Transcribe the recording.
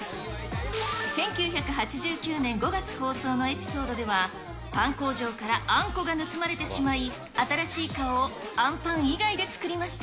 １９８９年５月放送のエピソードでは、パン工場からあんこが盗まれてしまい、新しい顔をアンパン以外で作りました。